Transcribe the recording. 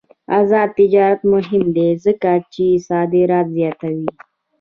آزاد تجارت مهم دی ځکه چې صادرات زیاتوي.